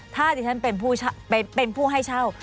ถ้าดิฉันเป็นผู้ให้เช่า